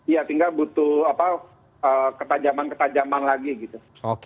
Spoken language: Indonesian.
ya tinggal butuh ketajaman ketajaman lagi gitu